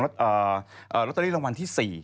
ลอตเตอรี่รางวัลที่๔